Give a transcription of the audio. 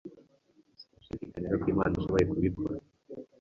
Sinashidikanyaga ko Imana ishoboye kubikora